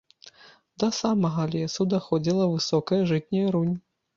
Да самага лесу даходзіла высокая жытняя рунь.